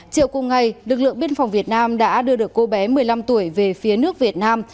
chiều cùng ngày lực lượng biên phòng việt nam đã đưa được cô bé một mươi năm tuổi về phía nước việt nam